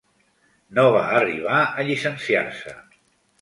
No va arribar a llicenciar-se.